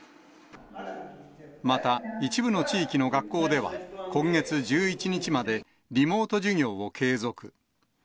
また、一部の地域の学校では、今月１１日までリモート授業を継続。